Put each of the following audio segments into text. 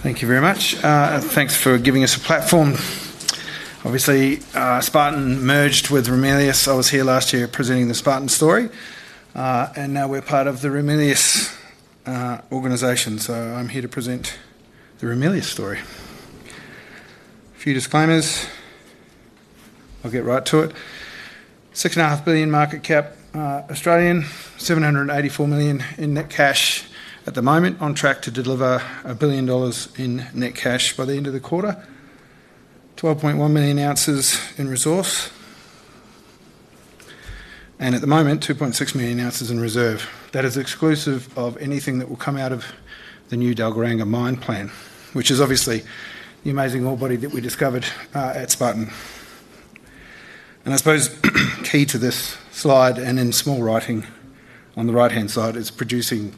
Thank you very much. Thanks for giving us a platform. Obviously, Spartan merged with Ramelius. I was here last year presenting the Spartan story, and now we're part of the Ramelius organization. I'm here to present the Ramelius story. A few disclaimers. I'll get right to it. $6.5 billion market cap, Australian. $784 million in net cash at the moment. On track to deliver $1 billion in net cash by the end of the quarter. 12.1 million ounces in resource. At the moment, 2.6 million ounces in reserve. That is exclusive of anything that will come out of the new Dalgaranga mine plan, which is obviously the amazing ore body that we discovered at Spartan. I suppose key to this slide, and in small writing on the right-hand side, is producing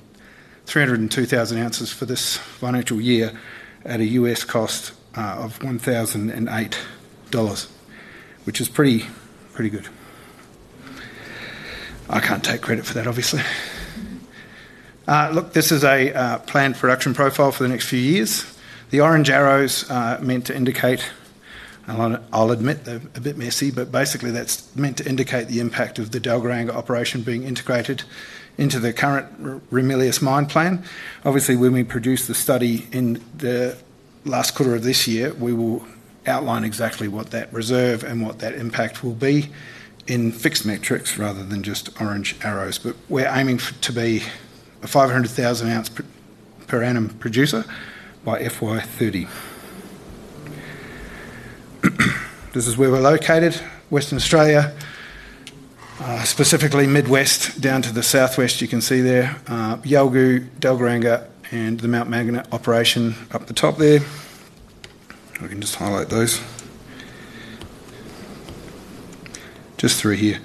302,000 ounces for this financial year at a U.S. cost of $1,008, which is pretty, pretty good. I can't take credit for that, obviously. This is a planned production profile for the next few years. The orange arrows are meant to indicate, and I'll admit they're a bit messy, but basically that's meant to indicate the impact of the Dalgaranga operation being integrated into the current Ramelius mine plan. When we produce the study in the last quarter of this year, we will outline exactly what that reserve and what that impact will be in fixed metrics rather than just orange arrows. We're aiming to be a 500,000 ounce per annum producer by FY2030. This is where we're located, Western Australia, specifically Midwest down to the southwest. You can see there Yolgu, Dalgaranga, and the Mount Magnet operation up the top there. I can just highlight those. Just through here.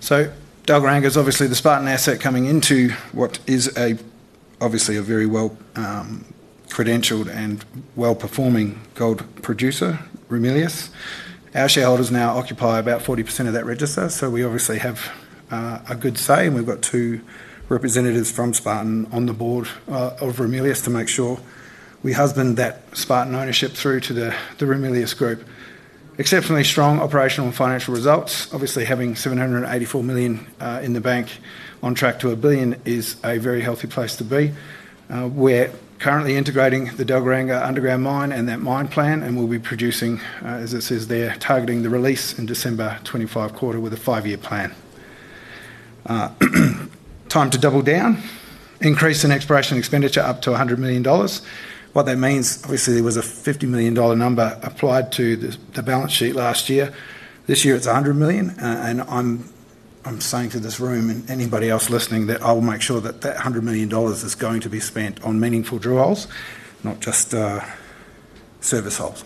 Dalgaranga is obviously the Spartan asset coming into what is obviously a very well-credentialed and well-performing gold producer, Ramelius. Our shareholders now occupy about 40% of that register, so we obviously have a good say, and we've got two representatives from Spartan on the board of Ramelius to make sure we husband that Spartan ownership through to the Ramelius group. Exceptionally strong operational and financial results. Having $784 million in the bank on track to $1 billion is a very healthy place to be. We're currently integrating the Dalgaranga underground mine and that mine plan, and we'll be producing, as it says there, targeting the release in December 2025 quarter with a five-year plan. Time to double down. Increase in exploration expenditure up to $100 million. What that means, obviously, there was a $50 million number applied to the balance sheet last year. This year it's $100 million, and I'm saying to this room and anybody else listening that I will make sure that that $100 million is going to be spent on meaningful drill holes, not just service holes.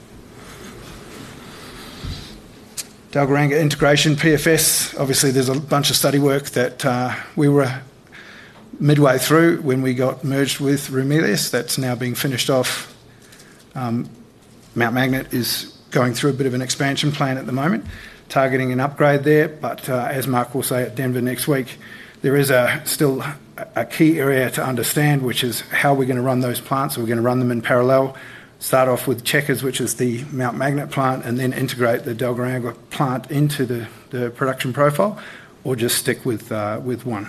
Dalgaranga integration PFS. Obviously, there's a bunch of study work that we were midway through when we got merged with Ramelius. That's now being finished off. Mount Magnet is going through a bit of an expansion plan at the moment, targeting an upgrade there. As Mark will say at Denver next week, there is still a key area to understand, which is how we're going to run those plants. We're going to run them in parallel, start off with Chequers, which is the Mount Magnet plant, and then integrate the Dalgaranga plant into the production profile, or just stick with one.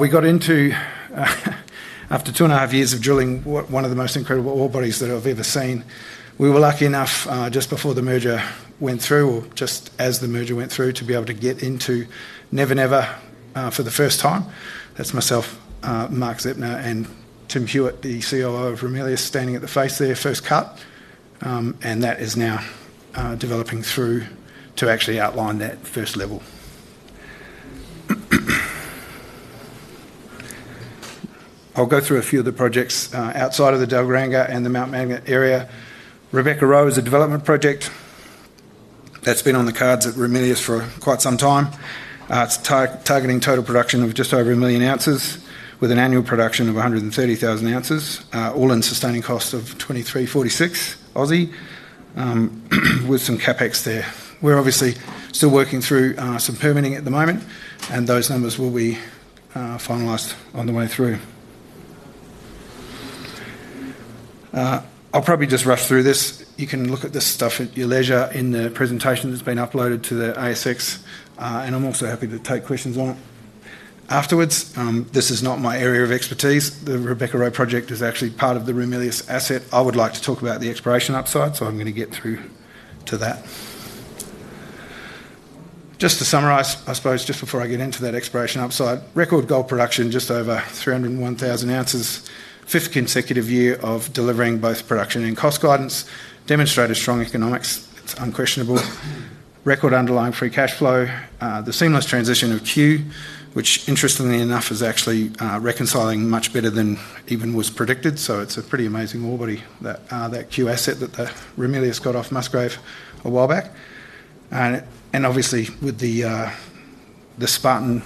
We got into, after two and a half years of drilling one of the most incredible ore bodies that I've ever seen, we were lucky enough just before the merger went through, or just as the merger went through, to be able to get into Nevernever for the first time. That's myself, Mark Zeptner, and Tim Hewitt, the Chief Operating Officer of Ramelius, standing at the face there, first cut. That is now developing through to actually outline that first level. I'll go through a few of the projects outside of the Dalgaranga and the Mount Magnet area. Rebecca project is a development project that's been on the cards at Ramelius for quite some time. It's targeting total production of just over a million ounces, with an annual production of 130,000 ounces, all-in sustaining costs of $23.46 AUD, with some CapEx there. We're obviously still working through some permitting at the moment, and those numbers will be finalized on the way through. I'll probably just rush through this. You can look at this stuff at your leisure in the presentation that's been uploaded to the ASX, and I'm also happy to take questions on it afterwards. This is not my area of expertise. The Rebecca project is actually part of the Ramelius asset. I would like to talk about the exploration upside, so I'm going to get through to that. Just to summarize, I suppose, just before I get into that exploration upside, record gold production just over 301,000 ounces. Fifth consecutive year of delivering both production and cost guidance. Demonstrated strong economics. It's unquestionable. Record underlying free cash flow. The seamless transition of Q, which interestingly enough is actually reconciling much better than even was predicted. It's a pretty amazing ore body, that Q asset that Ramelius got off Musgrave a while back. Obviously, with the Spartan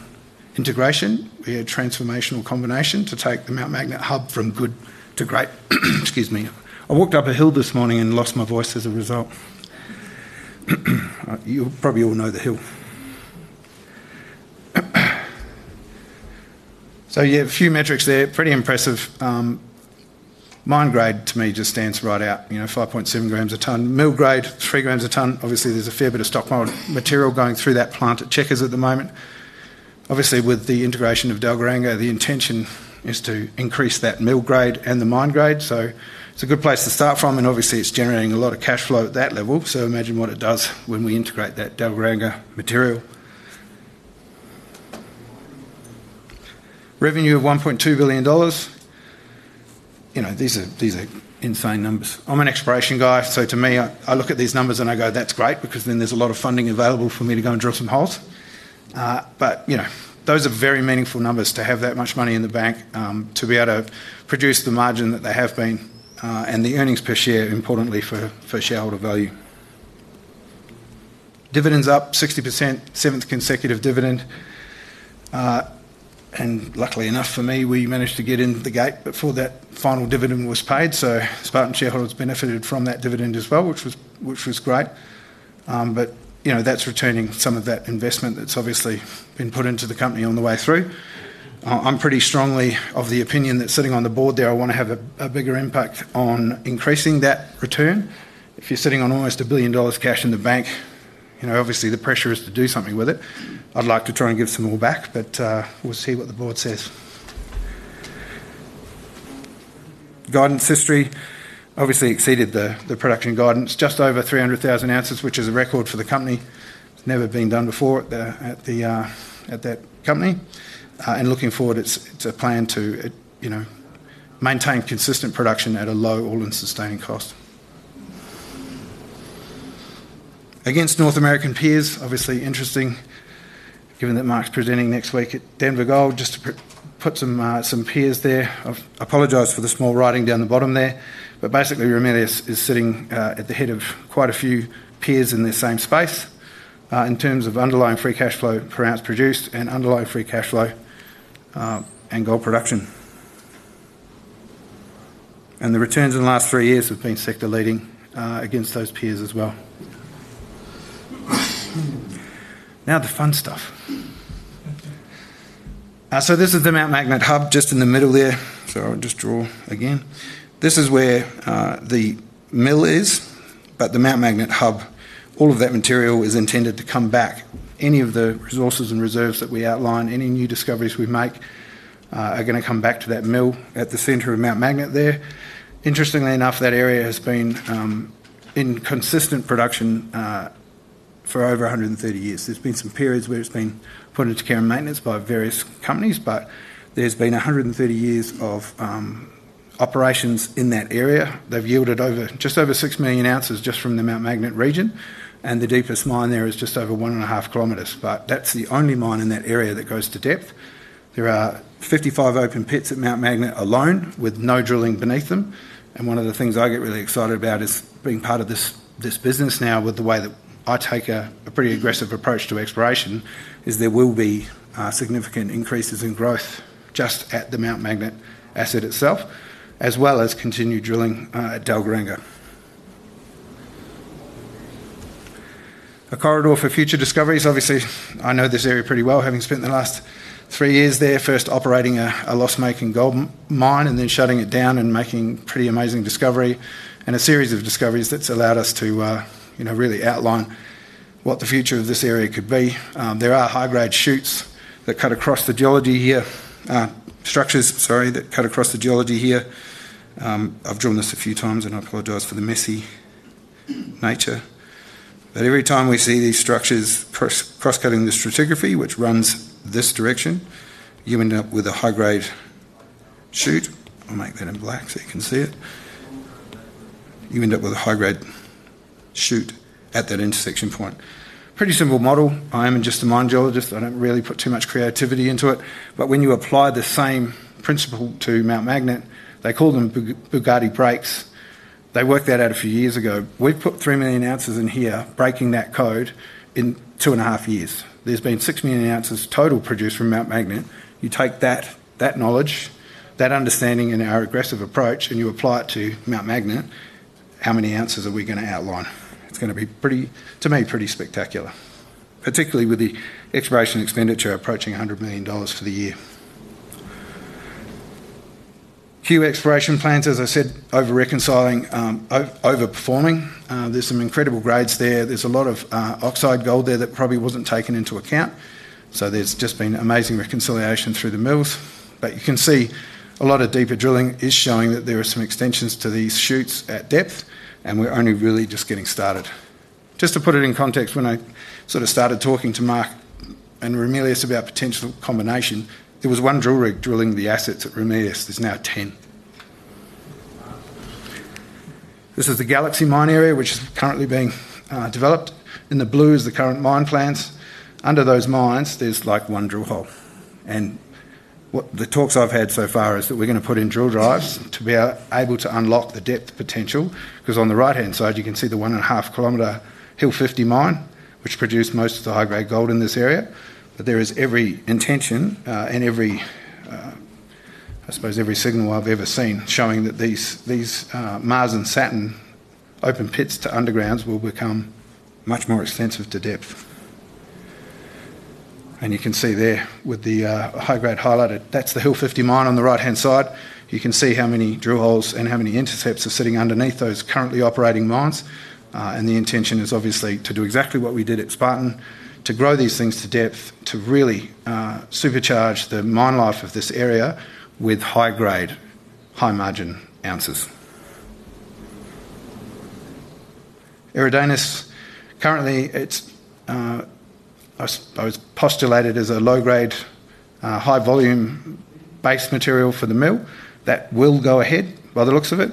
integration, we had a transformational combination to take the Mount Magnet hub from good to great. Excuse me. I walked up a hill this morning and lost my voice as a result. You probably all know the hill. A few metrics there. Pretty impressive. Mine grade, to me, just stands right out. You know, 5.7 grams a ton. Mill grade, 3 grams a ton. Obviously, there's a fair bit of stockpiled material going through that plant at Chequers at the moment. With the integration of Dalgaranga, the intention is to increase that mill grade and the mine grade. It's a good place to start from, and obviously, it's generating a lot of cash flow at that level. Imagine what it does when we integrate that Dalgaranga material. Revenue of $1.2 billion. These are insane numbers. I'm an exploration guy, so to me, I look at these numbers and I go, that's great because then there's a lot of funding available for me to go and drill some holes. Those are very meaningful numbers to have that much money in the bank, to be able to produce the margin that they have been, and the earnings per share, importantly for shareholder value. Dividends up 60%, seventh consecutive dividend. Luckily enough for me, we managed to get into the gate before that final dividend was paid. Spartan shareholders benefited from that dividend as well, which was great. That's returning some of that investment that's obviously been put into the company on the way through. I'm pretty strongly of the opinion that sitting on the board there, I want to have a bigger impact on increasing that return. If you're sitting on almost a billion dollars cash in the bank, obviously the pressure is to do something with it. I'd like to try and give some more back, but we'll see what the board says. Guidance history obviously exceeded the production guidance, just over 300,000 ounces, which is a record for the company. Never been done before at that company. Looking forward, it's a plan to maintain consistent production at a low all-in sustaining cost. Against North American peers, obviously interesting, given that Mark's presenting next week at Denver Gold, just to put some peers there. I apologize for the small writing down the bottom there, but basically Ramelius is sitting at the head of quite a few peers in their same space in terms of underlying free cash flow per ounce produced and underlying free cash flow and gold production. The returns in the last three years have been sector leading against those peers as well. Now the fun stuff. This is the Mount Magnet hub just in the middle there. I'll just draw again. This is where the mill is, but the Mount Magnet hub, all of that material is intended to come back. Any of the resources and reserves that we outline, any new discoveries we make are going to come back to that mill at the center of Mount Magnet there. Interestingly enough, that area has been in consistent production for over 130 years. There have been some periods where it's been put into care and maintenance by various companies, but there's been 130 years of operations in that area. They've yielded just over 6 million ounces just from the Mount Magnet region, and the deepest mine there is just over 1.5 kilometers. That's the only mine in that area that goes to depth. There are 55 open pits at Mount Magnet alone with no drilling beneath them. One of the things I get really excited about is being part of this business now with the way that I take a pretty aggressive approach to exploration. There will be significant increases in growth just at the Mount Magnet asset itself, as well as continued drilling at Dalgaranga, a corridor for future discoveries. Obviously, I know this area pretty well, having spent the last three years there, first operating a loss-making gold mine and then shutting it down and making pretty amazing discovery and a series of discoveries that's allowed us to really outline what the future of this area could be. There are high-grade chutes that cut across the geology here, structures, sorry, that cut across the geology here. I've drawn this a few times, and I apologize for the messy nature. Every time we see these structures cross-cutting the stratigraphy, which runs this direction, you end up with a high-grade chute. I'll make that in black so you can see it. You end up with a high-grade chute at that intersection point. Pretty simple model. I am just a mine geologist. I don't really put too much creativity into it. When you apply the same principle to Mount Magnet, they call them Bugatti breaks. They worked that out a few years ago. We've put 3 million ounces in here, breaking that code in two and a half years. There's been 6 million ounces total produced from Mount Magnet. You take that knowledge, that understanding, and our aggressive approach, and you apply it to Mount Magnet. How many ounces are we going to outline? It's going to be, to me, pretty spectacular, particularly with the exploration expenditure approaching $100 million for the year. Q exploration plans, as I said, over-reconciling, over-performing. There's some incredible grades there. There's a lot of oxide gold there that probably wasn't taken into account. There's just been amazing reconciliation through the mills. You can see a lot of deeper drilling is showing that there are some extensions to these chutes at depth, and we're only really just getting started. Just to put it in context, when I started talking to Mark and Ramelius about potential combination, there was one drill rig drilling the assets at Ramelius. There's now 10. This is the Galaxy mine area, which is currently being developed. In the blue is the current mine plans. Under those mines, there's like one drill hole. The talks I've had so far are that we're going to put in drill drives to be able to unlock the depth potential. On the right-hand side, you can see the 1.5 kilometer Hill 50 mine, which produced most of the high-grade gold in this area. There is every intention and every, I suppose, every signal I've ever seen showing that these Mars and Saturn open pits to undergrounds will become much more extensive to depth. You can see there with the high-grade highlighted, that's the Hill 50 mine on the right-hand side. You can see how many drill holes and how many intercepts are sitting underneath those currently operating mines. The intention is obviously to do exactly what we did at Spartan, to grow these things to depth, to really supercharge the mine life of this area with high-grade, high-margin ounces. Iridanus, currently, it's postulated as a low-grade, high-volume base material for the mill. That will go ahead by the looks of it.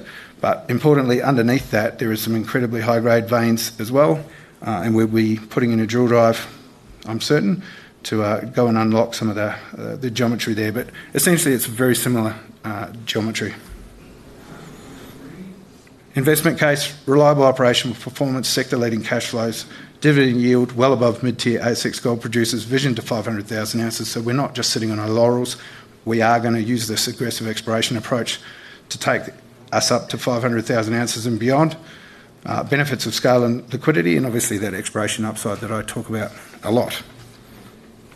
Importantly, underneath that, there are some incredibly high-grade veins as well. We'll be putting in a drill drive, I'm certain, to go and unlock some of the geometry there. Essentially, it's very similar geometry. Investment case, reliable operational performance, sector-leading cash flows, dividend yield well above mid-tier ASX gold producers, vision to 500,000 ounces. We're not just sitting on our laurels. We are going to use this aggressive exploration approach to take us up to 500,000 ounces and beyond. Benefits of scale and liquidity, and obviously that exploration upside that I talk about a lot.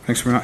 Thanks for.